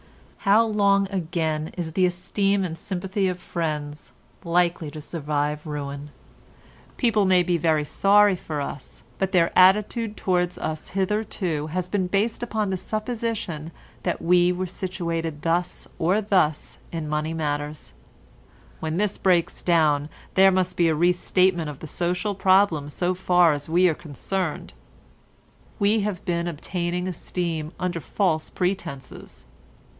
How long again is the esteem and sympathy of friends likely to survive ruin? People may be very sorry for us, but their attitude towards us hitherto has been based upon the supposition that we were situated thus or thus in money matters; when this breaks down there must be a restatement of the social problem so far as we are concerned; we have been obtaining esteem under false pretences.